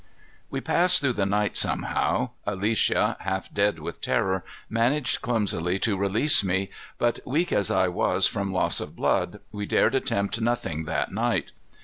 We passed through the night somehow. Alicia, half dead with terror, managed clumsily to release me, but weak as I was from loss of blood, we dared attempt nothing that night.